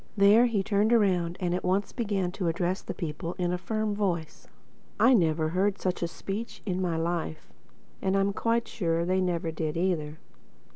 There he turned around and at once began to address the people in a firm voice. I never heard such a speech in my life—and I am quite sure that they never did either.